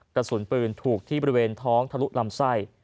กระสุนปืนถูกที่บริเวณท้องทะลุลำไส้